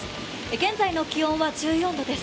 現在の気温は１４度です。